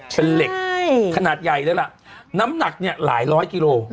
เป็นเหล็กขนาดใหญ่เลยล่ะน้ำหนักเนี่ยหลายร้อยกิโล